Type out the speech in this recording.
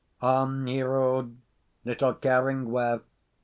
On he rode, little caring where.